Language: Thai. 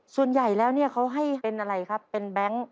ส่วนใหญ่แล้วเนี่ยเขาให้เป็นอะไรครับเป็นแบงค์